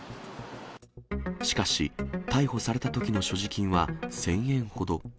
しかし、逮捕されたときの所持金は、１０００円ほど。